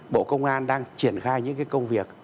bộ công an đang triển khai những công việc